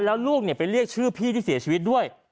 แล้วลูกไปเรียกชื่อพี่ที่เสียชีวิตด้วย